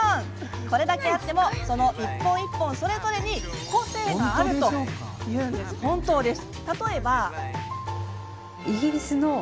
これだけあってもその一本一本それぞれに個性があるというんです。